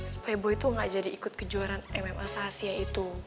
supaya boy tuh nggak jadi ikut kejuaraan mma sahasia itu